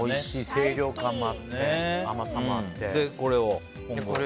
清涼感もあって、甘さもあって。